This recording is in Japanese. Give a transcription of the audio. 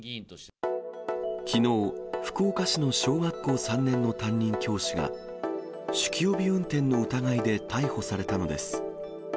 きのう、福岡市の小学校３年の担任教師が酒気帯び運転の疑いで逮捕されたのです。